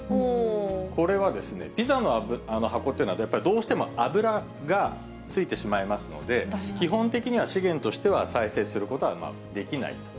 これはですね、ピザの箱っていうのは、やっぱりどうしても油がついてしまいますので、基本的には資源としては再生することはできないと。